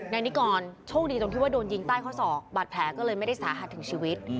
นายนิกรโชคดีตรงที่ว่าโดนยิงใต้ข้อศอกบาดแผลก็เลยไม่ได้สาหัสถึงชีวิต